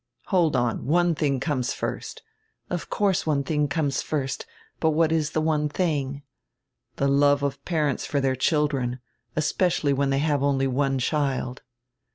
"Hold on! One tiling conies first." "Of course, one tiling conies first; but what is die one tiling?" "The love of parents for dieir children, especially when diey have only one child."